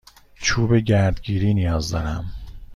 چوب گردگیری نیاز دارم.